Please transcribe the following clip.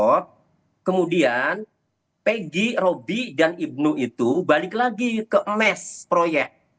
jalan raya sampai dapat angkot kemudian peggy robby dan ibnu itu balik lagi ke mes proyek